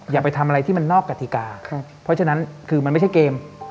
มันไม่ใช่เกม